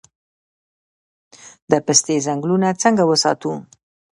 د پستې ځنګلونه څنګه وساتو؟